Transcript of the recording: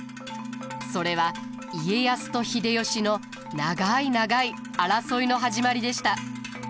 それは家康と秀吉の長い長い争いの始まりでした。